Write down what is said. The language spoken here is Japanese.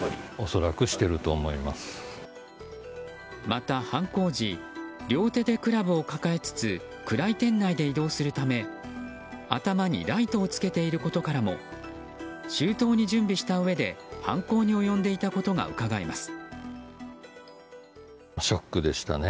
また、犯行時両手でクラブを抱えつつ暗い店内で移動するため、頭にライトをつけていることからも周到に準備したうえで犯行に及んでいたことがうかがえます。